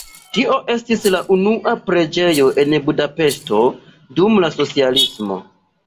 Tio estis la una preĝejo en Budapeŝto dum la socialismo.